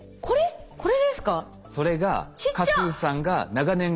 これですか？